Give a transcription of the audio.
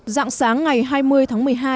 dạng sáng ngày hai mươi tháng một mươi hai